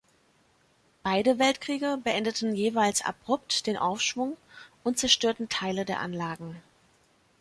Beide Weltkriege beendeten jeweils abrupt den Aufschwung und zerstörten Teile der Anlagen.